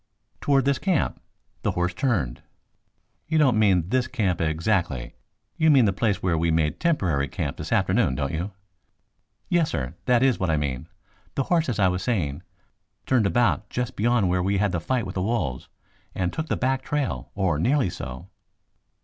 "Toward this camp. The horse turned " "You don't mean this camp exactly. You mean the place where we made temporary camp this afternoon, don't you?" "Yes, sir, that is what I mean. The horse, as I was saying, turned about just beyond where we had the fight with the wolves, and took the back trail, or nearly so."